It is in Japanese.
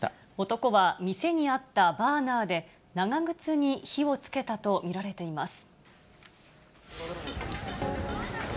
男は、店にあったバーナーで、長靴に火をつけたと見られています。